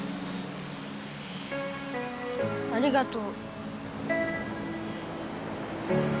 ありがとう。